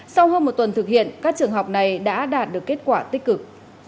sau hơn một tuần thực hiện các trường học này đã đạt được kết quả tích cực